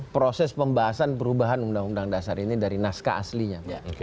proses pembahasan perubahan undang undang dasar ini dari naskah aslinya